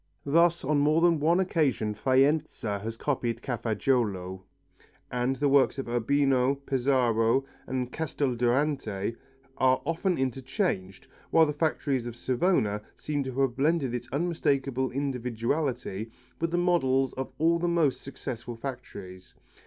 Thus on more than one occasion Faenza has copied Cafaggiolo, and the models of Urbino, Pesaro and Casteldurante are often interchanged, while the factory of Savona seems to have blended its unmistakable individuality with the models of all the most successful factories.